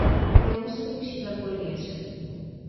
এ-অবস্থা তিনি স্বীকার করে নিয়েছেন!